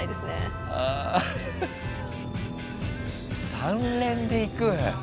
３連でいく？